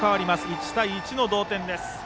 １対１の同点です。